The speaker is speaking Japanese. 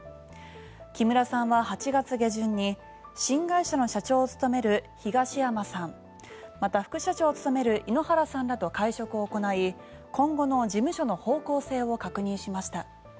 木村さんは８月下旬に新会社の社長を務める東山さんまた副社長を務める井ノ原さんらと会食を行い今後の事務所の方向性を確認しました。